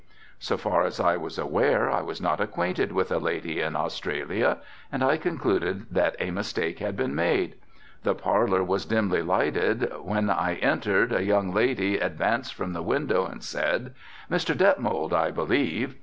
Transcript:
So far as I was aware I was not acquainted with a lady in Australia and I concluded that a mistake had been made. The parlor was dimly lighted, when I entered a young lady advanced from the window and said, "Mr. Detmold, I believe."